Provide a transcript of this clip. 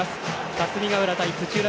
霞ヶ浦対土浦